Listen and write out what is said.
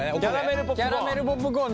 キャラメルポップコーン。